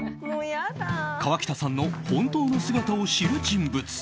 河北さんの本当の姿を知る人物。